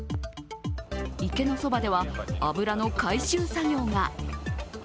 池のそばでは、油の回収作業が。